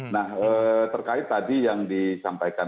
nah terkait tadi yang disampaikan